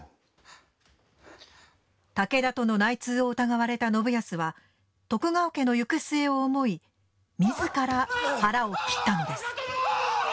武田との内通を疑われた信康は徳川家の行く末を思いみずから腹を切ったのです。